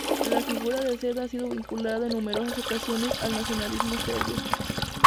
La figura de Ceca ha sido vinculada en numerosas ocasiones al nacionalismo serbio.